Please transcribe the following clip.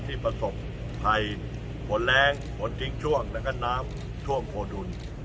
ที่ประสบภัยผลแรงผลจิ้งช่วงและก็น้ำช่วงโผดุล